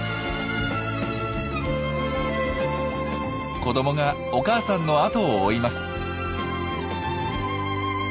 子どもがお母さんの後を追います。